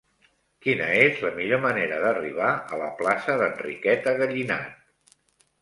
Quina és la millor manera d'arribar a la plaça d'Enriqueta Gallinat?